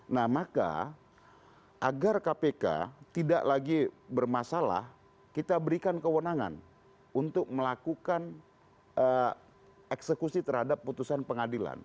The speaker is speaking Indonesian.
nah maka agar kpk tidak lagi bermasalah kita berikan kewenangan untuk melakukan eksekusi terhadap putusan pengadilan